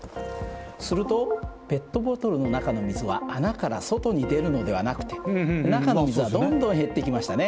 するとペットボトルの中の水は穴から外に出るのではなくて中の水はどんどん減っていきましたね。